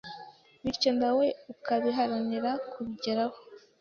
bityo nawe ukabiharanira. kubigeraho